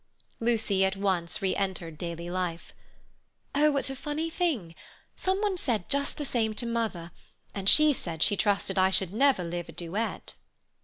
Lucy at once re entered daily life. "Oh, what a funny thing! Some one said just the same to mother, and she said she trusted I should never live a duet."